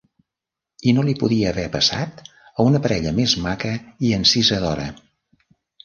I no li podia haver passat a una parella més maca i encisadora.